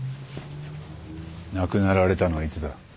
亡くなられたのはいつだ？